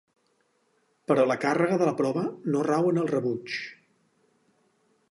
Però la càrrega de la prova no rau en el rebuig...